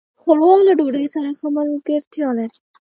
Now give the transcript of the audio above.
ښوروا له ډوډۍ سره ښه ملګرتیا لري.